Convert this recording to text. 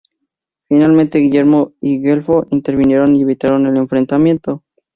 Finalmente Guillermo y Güelfo intervinieron y evitaron el enfrentamiento.